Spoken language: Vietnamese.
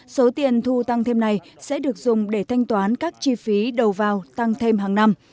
số tiền thu tăng thêm này sẽ được dùng để thanh toán các chi phí đầu vào tăng thêm hàng năm